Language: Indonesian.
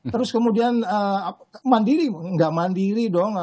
terus kemudian mandiri nggak mandiri dong